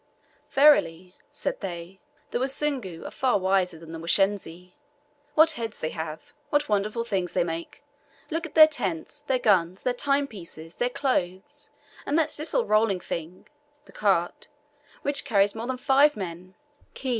"Verily," said they, "the Wasungu are far wiser than the Washensi. What heads they have! What wonderful things they make! Look at their tents, their guns, their time pieces, their clothes, and that little rolling thing (the cart) which carries more than five men, que!"